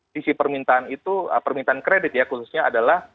sisi permintaan kredit ya khususnya adalah